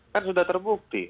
kan sudah terbukti